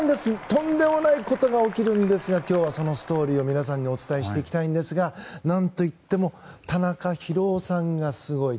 とんでもないことが起きるんですが、今日はそのストーリーを皆さんにお伝えしていきたいんですが何といっても田中博男さんがすごい。